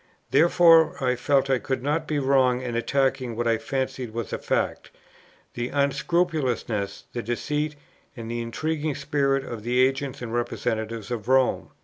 Therefore I felt I could not be wrong in attacking what I fancied was a fact, the unscrupulousness, the deceit, and the intriguing spirit of the agents and representatives of Rome.